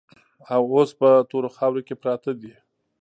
او اوس په تورو خاورو کې پراته دي.